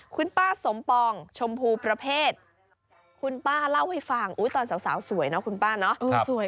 คุณป้าสมปองชมพูประเภทคุณป้าเล่าให้ฟังอุ๊ยตอนสาวสาวสวยเนอะคุณป้าเนอะเออสวยค่ะ